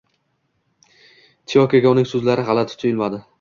Tiyokoga uning so`zlari g`alati tuyulmadi